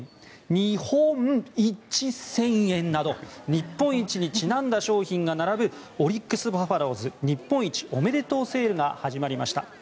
二本一１０００円など日本一にちなんだ商品が並ぶなどオリックス・バファローズ日本一おめでとうセールが始まりました。